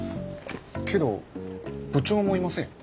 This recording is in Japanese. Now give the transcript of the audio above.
けど部長もいませんよ。